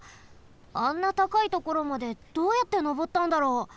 あんなたかいところまでどうやってのぼったんだろう？